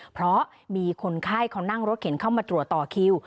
เพราะมีคนไข้เขานั่งรถเข็นเข้ามาตรวจต่อคิว